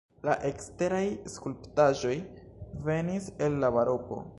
La eksteraj skulptaĵoj venis el la baroko.